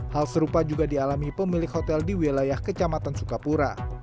hal serupa juga dialami pemilik hotel di wilayah kecamatan sukapura